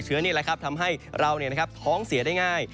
เชื้อนี้แหละทำให้เราท้องเสียได้ง่าย